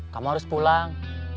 kamu harus pulang